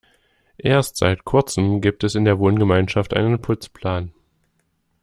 Erst seit Kurzem gibt es in der Wohngemeinschaft einen Putzplan.